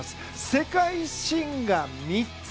世界新が３つ。